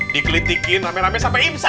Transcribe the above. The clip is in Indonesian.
dikritikin rame rame sampai imsah